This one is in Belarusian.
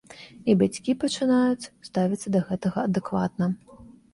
І бацькі пачынаюць ставіцца да гэтага адэкватна.